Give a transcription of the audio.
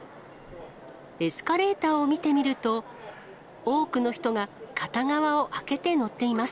エスカレーターを見てみると、多くの人が片側を空けて乗っています。